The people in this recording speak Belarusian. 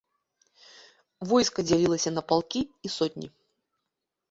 Войска дзялілася на палкі і сотні.